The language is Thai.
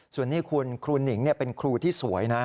ส่วนนี้คุณครูหนิงเป็นครูที่สวยนะ